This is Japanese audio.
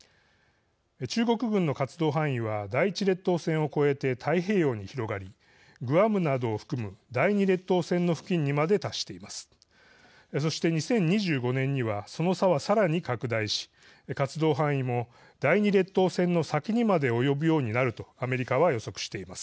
中国軍の活動範囲は第１列島線を越えて太平洋に広がりグアムなどを含む、第２列島線の付近にまで達しています。